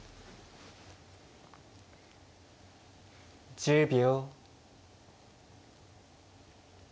１０秒。